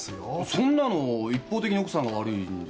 そんなの一方的に奥さんが悪いんでしょ？